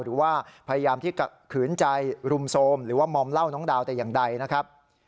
หรือว่าพยายามที่ขืนใจรุมโทรมหรือว่ามอมเหล้าน้องดาวแต่อย่างใดนะครับ